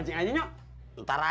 bi barang baru